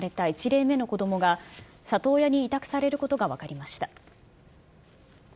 １例目の子どもが里親に委託されることが分かりました。